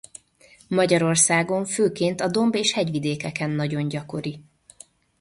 Magyarországon főként a domb- és hegyvidékeken nagyon gyakori.